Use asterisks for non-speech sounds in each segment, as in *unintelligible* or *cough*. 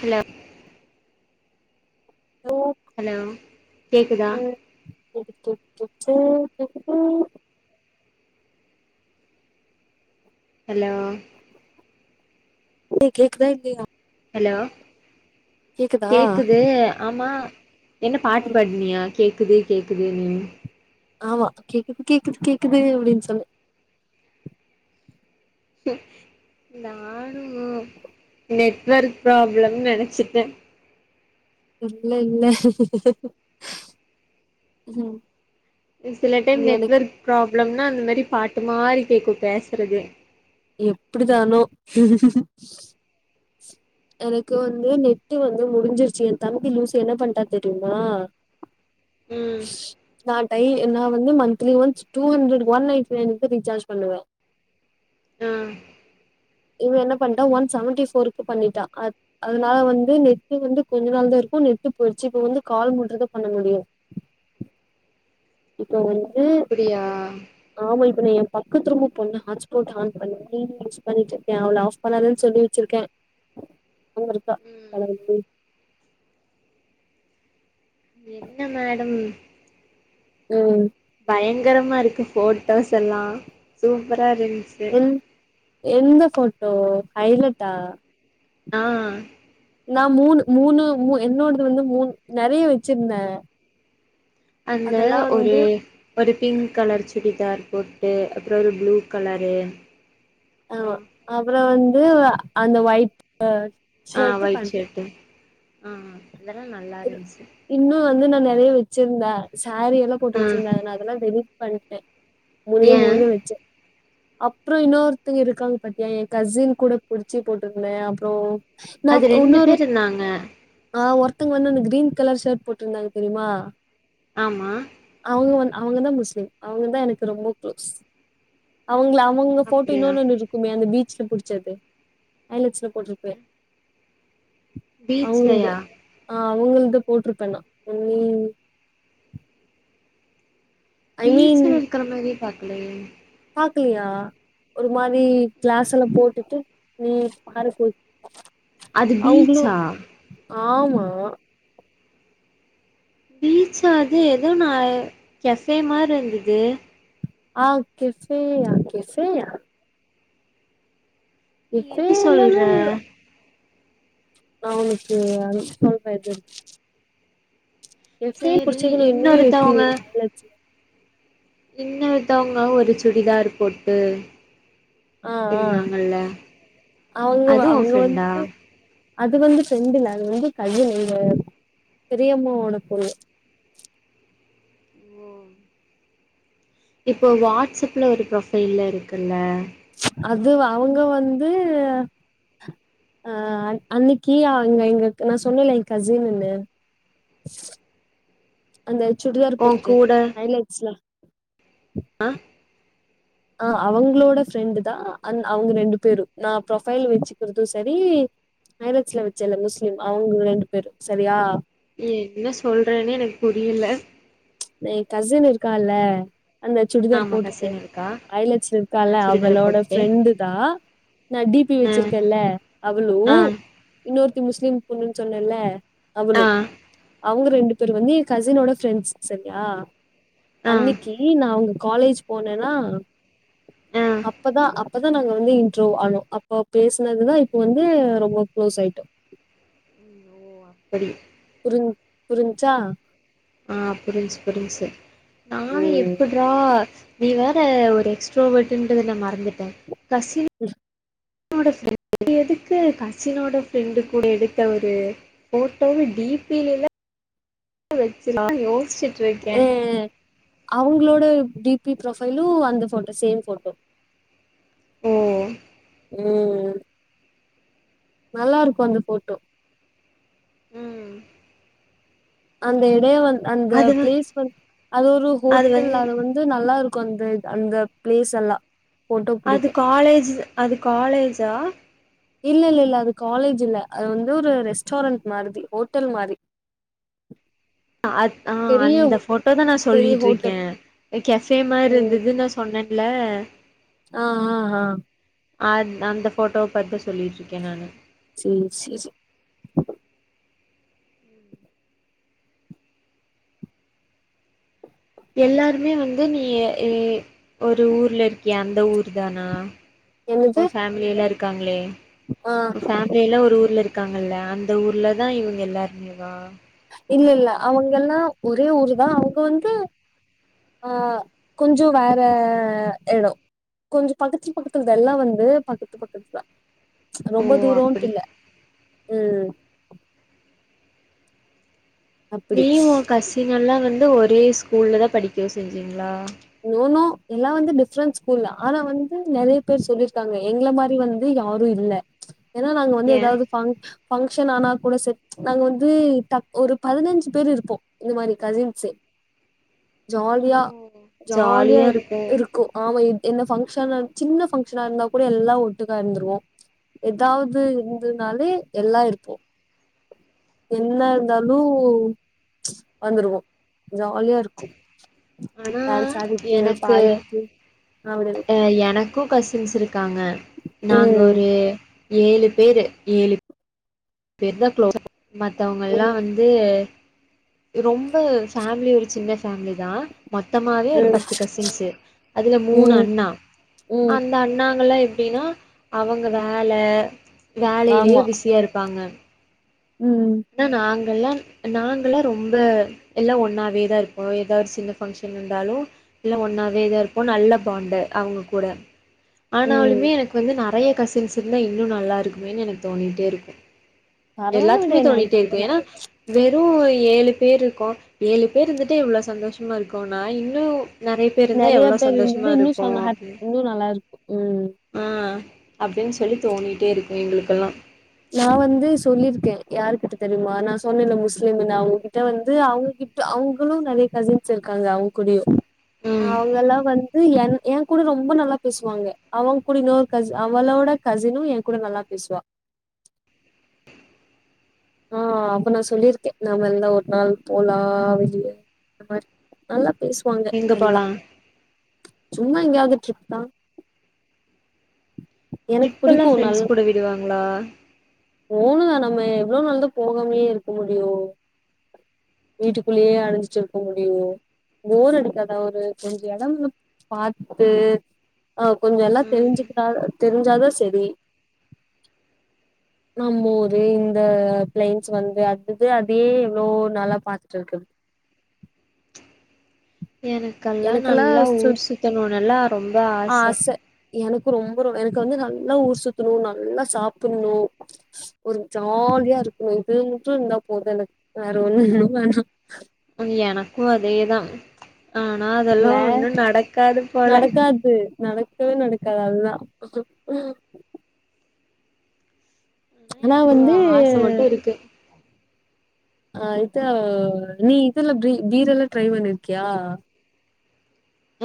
ஹலா *inaudible* low hello கேக்குதா சுடு சு சு சு சு கேக்குது ஹலோ ப்ரோ கேக்குதா இல்லயா ஹலோ கேக்குதா கேக்குது ஆனா என்ன பாட்டு பாட்னியா கேக்குது கேக்குதுனு ஆமா கேக்குது கேக்குது கேக்குது அப்டின் சொன்ன நானூ ஒ நெட்வொர்க் ப்ராப்ளம் நெனச்சுட்ட இல்ல இல்ல ம் சில டைம் இங்க எனக்கு நெட்வொர்க் ப்ராப்ளம்னா இந்த மாரி பாட்டு மாரி கேக்கூ பேசுறதே எப்டிதானோ எனக்கு வந்து நெட்டு வந்து முடிஞ்சிருச்சு ஏ தம்பி லூசு என்ன பண்ட்டா தெரியுமா ம் நான் ஐ நா வந்து monthly once two hundred one ninety நைன்கு ரீசார்ஜ் பண்ணுவ ம் இவ என்ன பண்ட்டா ஒன் செவன்டி ஃபோருக்கு பண்ணிட்டா அ அதுனால வந்து நெட்டு வந்து கொஞ்ச நாள் தா இருக்கூ நெட்டு போயருச்சு இப்ப வந்து கால் மட்டு தா பண்ண முடியூ இப்ப வந்து அப்டியா ஆமா இப்ப நா ஏ பக்கத்து ரூமு போண ஹாட் ஸ்பாட் ஆன் பண்ணிட்டு யூஸ் பண்ணிட்ருக்கே அவள ஆஃப் பண்ணாதன்னு சொல்லி வச்சிருக்கே ம் *unintelligible* என்ன மேடம் ம் பயங்கரமா இருக்கு ஃபோட்டோஸ் எல்லா சூப்பரா இருந்துச் எந் எந்த ஃபோட்டோ ஹைலட்டா ஆ நா மூணு மூணு மு என்னோடது வந்து மூன் நெறையா வச்சுருந்தே அந்த ஒரு ஒரு பிங்க் கலர் சுடிதார் போட்டு அப்றோ ஒரு ப்ளூ கலரு அப்றோ ஆமா அப்றோ வந்து அந்த ஒய்ட் அ ஆ ஒயிட் சர்ட்டு ஆ அதெல்லா நல்லா இருந்ச்சு இன்னு வந்து நா நிறைய வச்சிருந்தே சாரி எதோ போட்டு ஆ வச்சிருந்தே நா அதெல்லா டெலிட் பண்ணிட்டே ஏ *unintelligible* அப்புறோ இன்னொருத்தங்க இருக்காங்க பாத்தியா என் கசின் கூட புடிச்சி போட்டிருந்தே அப்புறோ நா அது ரெண்டு பேர் இன்னொருத் இருந்தாங்க நா ஒர்த் *unintelligible* வந்து அந்த க்ரீன் கலர் ஷட் போட்ருந்தாங்க தெரியுமா ஆமா அவங்க வந் அவங்கதா முஸ்லிம் அவங்க தா எனக்கு ரொம்ப க்ளோஸ் அவங்ள அவங்க ஃபோட்டோ அப்டியா இன்னொன் ஒண்ணு இருக்குமே அந்த பீச்ல புடிச்சது ஐலச்சு போட்ருப்பே அவுங்களு பே பீச்லயா ஆ அவங்கள்து போட்டிருப்பேன்னா ஒன்லி ஐ பீச்சுல இருக்குற மாரியே பாக்லயே பாக்கலியா ஒரு மாரி கிளாஸ்ல்லா போட்டுட்டு உ பாரு அது அவுங்களு பீச்சா ஆமா பீச்சா அது எதோ நா கஃபே மாரி இருந்தது ஆங் கெஃப்பேயா‌ நீ இப்ப எது இல்லனா சொல்ற என்ன நா உனுக்கு அது சொல்றது எஃப்ஐ சேரி படிச்சதுன்னுமே இன்னுமே இன்னொருத்தவங்க வக்கல தானே பின்ன வித்தவங்க ஒரு சுடிதாரு போட்டு அ ஆ இருந்தாங்கல்ல அவங்க அது உ அவங்க ஃப்ரெண்டா வந்து அது வந்து ஃப்ரெண்டு இல்ல அது வந்து கையில இது பெரியம்மாவோட பொண்ணு ஓஹ் இப்போ வாட்ஸ்அப்பில ஒரு ப்ரொஃபைல்ல இருக்குல்ல அதுவ்வா அவங்க வந்து ஆ அன் அன்னிக்கு ஆங் எங் நா சொன்னல்ல ஏ கசின்னுன்னு அந்த சுடிதார் ஓ போட்டு ஹைலைட்ஸ்லா ஆ ஆ அவங்களோட ஃப்ரெண்டு தா அந் அவங்க ரெண்டு பேரூ நா ப்ரொபைல் வச்சுக்கிற்தூ சரி பேலட்ஸ்ல வச்சேல்ல முஸ்லிம் அவங்க ரெண்டு பேரு சரியா என்ன சொல்றேன்னே எனக்கு புரியல எ கசின் இருக்கான்ல அந்த சுடிதார் ஆமா போட்டுட்டு கசின் இருக்கா வரலட்சுமி ஆ இருக்கால சுடிதார அவளோட போட்டு ஃப்ரெண்டு தா நா டிபி ஆ வச்சிருக்கேல அவ்ளூ ஆ இன்னொருத்தி முஸ்லிம் பொண்ணுன்னு சொன்னேல அவளு ஆ அவங்க ரெண்டுப் ஒருத்தர் வந்து என் கசினோட ஃப்ரெண்ட்ஸ் சரியா ஆ அன்னைக்கு நா உங்க காலேஜ் போனேனா ஆ ம், அப்பதா அப்பதா நாங்க வந்து இன்டர்வவ் ஆனோ அப்ப பேசினதுதா இப்ப வந்து ரொம்ப க்ளோஸ் ஆயிட்டோ அப்டி புரு புரிஞ்சா ஆ புரின்சு புரின்ஸ்சு நானூ ம் எப்பட் நீ வேற ஒரு எக்ஸ்ட்ரோவன்ட்ரத நா மறந்துட்டே கச *unintelligible* உன்னோட ஃப்ரெண்டு எதுக்கு கசினோட ஃப்ரெண்டு கூட எடுத்த அவரு போட்டோ டி பி‌ல்லா வச்சதுதா யோஸ்ச்சோ உம் அவங்களோட டிபி ப்ரொஃபைலு அந்த ஃபோட்டோ சேம் ஃபோட்டோ ஓ உம் நல்லா இருக்கு அந்த ஃபோட்டோ உம் அந்த இடைய வந்து அந்த பிளேஸ் வந்து அது ஒரு ஹோட்டல் அத வந்து வந்து நல்லா இருக்கு அந்த அந்த பிளேஸ் எல்லா போட்டோ புடிக்க அது காலேஜு அது காலேஜா இல்ல இல்ல இல்ல அது காலேஜ் இல்ல அது வந்து ஒரு ரெஸ்டாரண்டட் மாதிரி ஹோட்டல் மாரி அந் ஆஹ் பெரிய அந்த ஃபோட்டோதா நான் பெரிய சொல்லிட்டு இருக்கே ஹோட்டல் எ கெஸோ மாரி இருந்ததுன்னு நா சொன்னேன்ல ஆஹ் ஆஹ் ஹா அஹ் அந்த ஃபோட்டோவ பாத்து சொல்லிட்டுருக்கே நான்னு சேரி சேரி எல்லாருமே வந்து நீ ஏ ஒரு ஊர்ல இருக்கியே அந்த ஊர் தானா என்னது உ ஃபேமிலில்லா இருக்காங்களே ஆ உ ஃபேம் ஏல்லா ஒரு ஊர்ல இருக்காங்கல்ல அந்த ஊர்ல தா இவங்க எல்லாருமேவா இல்ல இல்ல அவுங்கல்லா ஒரே ஊரு தா அவங்க வந்து ஆஹ் கொஞ்சோ வேற எடோ கொஞ்சோ படிச்சு முடிச்சது எல்லாருமே பக்கத்து பக்கத்துல ஓ ரொம்ப தூரம்ட்டு அப்படி இல்ல உம் அப்டி நீயு ஒ கசினெல்லா வந்து ஒரே ஸ்கூல்ல தா படிக்கவே செஞ்சிங்ளா நோனோ எல்லா வந்து டிஃப்ரெண்ட் ஸ்கூல்ல ஆனா வந்து நிறைய பேர் சொல்லிருக்காங்க எங்கள மாரி வந்து யாரு இல்ல ஏனா நாங்க வந்து ஏ ஏதாவது பங்க் பங்கஷன் ஆனா கூட செர் நாங்க வந்து டக் ஒரு பதினஞ்சு பேர் இருப்போ இந்த மாரி கசின்ஸு ஓ ஜாலியா ஜாலியா இருக் இருக் இருக்கு ஆம்மா என்ன பங்க்ஷனா சின்ன ஃபங்க்ஷனா இருந்தா கூட எல்லா ஒட்டுக்கா இருந்துருவோ எதாவது இருந்தனாலே எல்லா இருப்போ என்ன இருந்தாலு ச்சு வந்துருவோ ஜாலியா இருக்கு ஆனா தான் சாதித்து எனக்கு பாடிட்டு அவ்ள தா அ எனக்கு கசின்ஸ் இருக்காங்க நாங்க ம் ஒரு ஏழு பேரு ஏழு பேர் தா க்ளோஸ் மத்தவங்கள்லா ம் வந்து ரொம்ப ஃபேமிலி ஒரு சின்ன ஃபேமிலி தா மொத்தமாவே ம் ஒரு பத்து கசின்ஸ்சு அதுல மூணு ம் அண்ணா ம் அண் அந்த அண்ணாங்கலா எப்டினா அவங்க வேல வேலைலே ஆமா பிஸியா இருப்பாங்க ம் ஆனா நாங்கள்லா நாங்லா ரொம்ப எல்லா ஒன்னாவேதா இருப்போ ஏதாவது சின்ன பங்க்ஷன் வந்தாலு எல்லா ஒன்னாவே தா இருப்போ நல்ல பாண்டு அவுங்க கூட ம். ஆனாலுமே எனக்கு வந்து நெறைய கசின்ஸ் இருந்தா இன்னு நல்லா இருக்குமேனு எனக்கு தோணிட்டே இருக்கு பரவால்ல விடு நல் இர்ப் ந ஏனா வெறு ஏழு பேர் இருக்கோ ஏழு பேர் இர்ந்திட்டே இவ்ளோ சந்தோஷமா இருக்கோன இன்னு நறய பேர் இருந்தா நெறைய எவ்ளோ பேர் சந்தோஷமா இருந்தது இன்னு இருப்போ சொன்ன ஹாப் அப்டினு இன்னு நல்லா இருக்கு ம் அ அப்டின் சொல்லி தோணிட்டே இருக்கு எங்களுக்கெல்லா நா வந்து சொல்லிர்க்கே யாருகிட்ட தெரியுமா நா சொன்னேல முஸ்லீமுனு அவுங்ககிட்ட வந்து அவுங்க கிட் ட அவுங்குளு நறைய கசின்ஸ் இருக்காங்க அவுங் கூடயு ம் அவுங்கலா வந் ஏ என் எ கூட ரொம்ப நல்லா பேசுவாங்க அவங்க கூட இன்னொரு கசி அவளோட கசினு எங் கூட நல்லா பேசுவா ம் அப்ப நா சொல்லிர்க்கே நாமெல்லா ஒரு நாள் போலா வெளிய இந்த மாரி நல்லா பேசுவாங்க எங்க எல்லா போலா சும்மா எங்கயாது ட்ரிப்தா எனக்கு ட்ரிப்பெல்லா புடிக்கு நல்லா ஃப்ரெண்ட்ஸ் கூட விடுவாங்ளா போணுதா நம்ம எவ்ளோ நாள்தா போகாமயே இருக்க முடியு வீட்டுக்குள்ளேயே அடச்சிட்டு இருக்க முடியுமோ போர் அடிக்காதா ஒரு கொஞ்ச இடம்லா பாத்து ஆ கொஞ்ச எல்லா ம் தெரிஞ்சு தெரிஞ்சாதா செரி நம்மூரு இந்த பிளைன்ஸ் வந்து அதிது அதே எவ்ளோ நாளா பாத்துட்ருக்கர்து எனக்கெல்லா நல்லா ஊர் சுத்தணுனல்லா ரொம்ப ஆச எனக்கு ரொம்ப ரொ எனக்கு வந்து நல்லா ஊர் சுத்தணு நல்லா சாப்பிடணு ஒரு ஜாலியா இருக்கணு இது மட்டு இருந்தா போது எனக்கு வேற ஒண்ணுமே வேணா எனக்கு அதே தா ஆனா அதெல்லா ஒண்ணு நடக்காது போல அது நடக் பயு நடக்காது அதுதா ஆனா எனக்கு வந்து ஆச மட்டு இருக்கு ஆ இத்தா நீ இதல்லா பீரெல்லா ட்ரை பண்ணிருக்கியா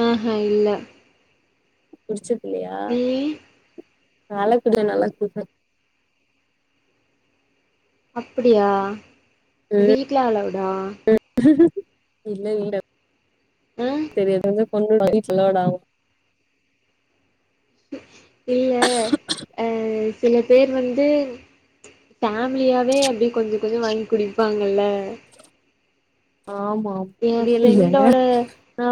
அஹ இல்ல குடிச்சதில்லையா நீயி நல் லா *unintelligible* நல்லா குடிப்பே அப்டியா ம் வீட்ல அளவுடா இல்ல இல்ல ஆ தெரியது வந்து *unintelligible* இல்ல அ சில பேர் வந்து ஃபேமிலியாவே அப்டி கொஞ்ச கொஞ்சோ வாங்கி குடிபாங்கல்ல ஆமா எ அப்படில்லல ஃப்ரெண்டோட ஆ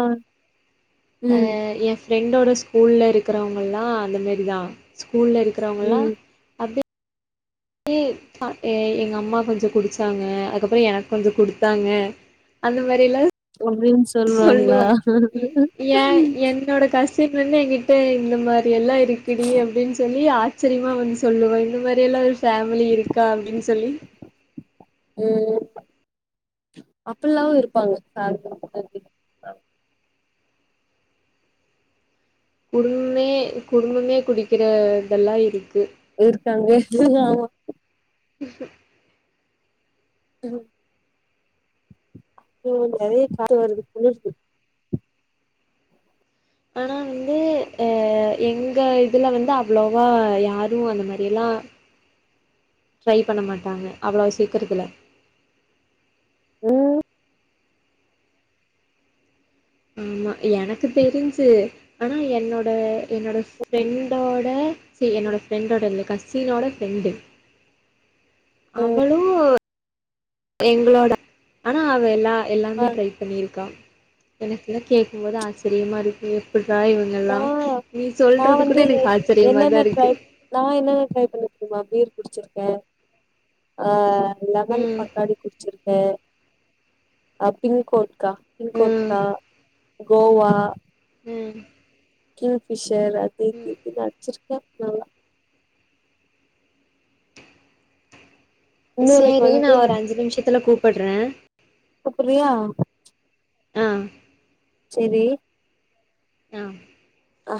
அ ம் ஏ ஃப்ரெண்டோட ஸ்கூல்ல இருகிறவங்கல்லா அந்த மேரிதா ஸ்கூல்ல இருக் கிறவங்கலா ம் தி அ எ எங்க அம்மா கொஞ்சோ குடிச்சாங்க அதுக்கப்புறோ எனக்கொஞ்ச குடுதாங்க அந்த மாரில ஒ ட்ரீம்ஸ் சொல்லுவ ஏ என்னோட கஷ் சீட் வந்து எங்ககிட்ட இந்த மாரி எல்லா இருக்குடி அப்படின் சொல்லி ஆ சரிமா வந்து சொல்லுவ இந்த மாரி எல்லா ஒரு ஃபேமிலி இருக்கா அப்டினு சொல்லி ம் அப்பல்லாவு இருபாங்க ஆளு குடும்மே குடும்பமே குடிக்கிற இதெல்லா இருக்கு இருகாங்க *unintelligible* ஆமா ம் *unintelligible* ம் நெறய கால்வருது பேசு ஆனா வந்து அ எங்க இதுல வந்து அவ்ளோவா யாரு அந்த மாரி எல்லா ட்ரை பண்ண மாட்டாங்க அவ்ளோ சீக்கறதுல்ல ம் ஆமா எனக்கு தெரிஞ்சு ஆனா என்னோட என்னோட ஃப்ரெண்டோட சி என்னோட ஃப்ரெண்டோட இல்ல கசினோட ஃப்ரெண்டு ம் அவளு எங்ளோட ஆனா அவ எல்லா ஆ எல்லாமே ட்ரை பண்ணியிருக்கா எனக்கு தா கேட்கும்போது ஆச்சரியமா இருக்கு அப்பிட்தா இவுங்கெல்லா நா நீ நா சொல்றது கூட வந்து எனக்கு ஆச்சரியமாதா என்னென்ன ட்ரை இருக்கு நா என்னலா ட்ரை பண்ண தெரியுமா பீர் குடிச்சிருகே ஆ லெமன் ம் பக்காடி குடிச்சிருகே அப் பிங்க்கோட்கா ம் பிங்க்கோட்கா கோவா உம் கிங்ஃபிஷர் அது இதுனு அடிச்சிருக்கே நல்லா இன்னு எனக்கு சேரி நா வந்து ஒரு அஞ்சு நிமிஷத்துல கூப்புடுறே கூப்புட்றியா ஆ சேரி யா ஆ